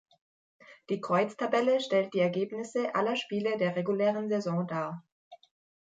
Die Kreuztabelle stellt die Ergebnisse aller Spiele der regulären Saison dar.